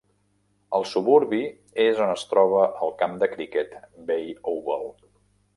El suburbi és on es troba el camp de criquet Bay Oval.